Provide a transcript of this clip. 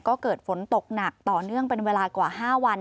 ก็เกิดฝนตกหนักต่อเนื่องเป็นเวลากว่า๕วัน